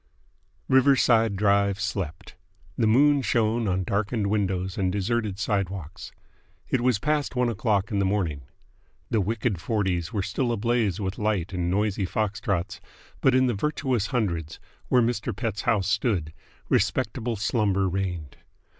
Riverside Drive slept. The moon shone on darkened windows and deserted sidewalks. It was past one o'clock in the morning. The wicked Forties were still ablaze with light and noisy foxtrots; but in the virtuous Hundreds, where Mr. Pett's house stood, respectable slumber reigned.